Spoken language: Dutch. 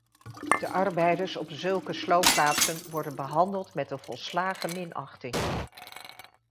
De arbeiders op zulke sloopplaatsen worden behandeld met een volslagen minachting.